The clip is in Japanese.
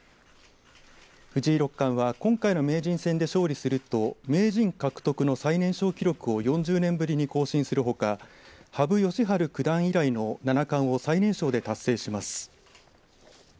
藤井六冠は今回の名人戦で勝利すると名人獲得の最年少記録を４０年ぶりに更新するほか羽生善治九段以来の七冠を最年少で達成します。